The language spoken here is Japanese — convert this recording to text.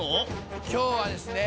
今日はですね